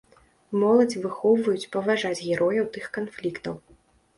Моладзь выхоўваюць паважаць герояў тых канфліктаў.